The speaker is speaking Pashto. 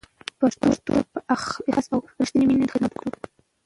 پښتو ته په اخلاص او رښتینې مینه خدمت وکړئ.